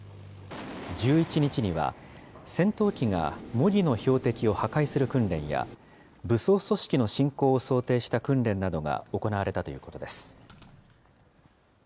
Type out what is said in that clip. １１日には、戦闘機が模擬の標的を破壊する訓練や武装組織の侵攻を想定した訓練などが行われたということです。